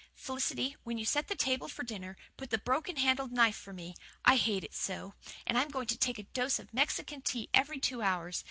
Felicity, when you set the table for dinner, put the broken handled knife for me. I hate it so. And I'm going to take a dose of Mexican Tea every two hours.